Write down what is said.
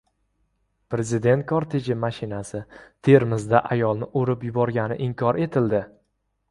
Prezident korteji mashinasi Termizda ayolni urib yuborgani inkor etildi